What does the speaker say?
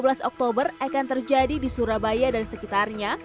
dua belas oktober akan terjadi di surabaya dan sekitarnya